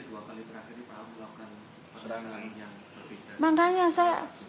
ibu mau nyeritakan apa